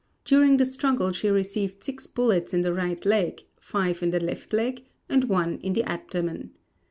During the struggle she received six bullets in the right leg, five in the left leg, and one in the abdomen.